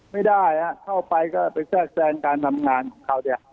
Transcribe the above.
ไม่ได้เข้าไปก็ไปแทรกแทรงการทำงานของเขาเนี่ย